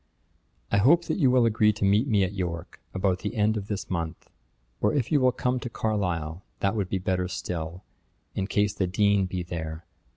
I hope that you will agree to meet me at York, about the end of this month; or if you will come to Carlisle, that would be better still, in case the Dean be there.